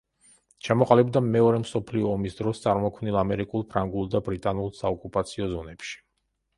ჩამოყალიბდა მეორე მსოფლიო ომის დროს წარმოქმნილ ამერიკულ, ფრანგულ და ბრიტანულ საოკუპაციო ზონებში.